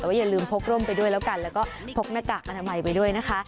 แต่ว่าอย่าลืมพกร่มไปด้วยแล้วกันแล้วก็พกหน้ากากอนามัยไปด้วยนะคะ